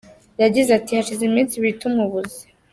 Yagize ati “Hashize iminsi ibiri tumubuze.